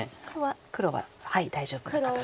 黒は大丈夫な形と。